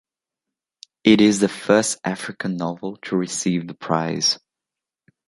It is the first African novel to receive the prize.